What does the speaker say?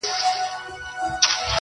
ته د چانه تپوس وکړه د زمري مقدار سړے وم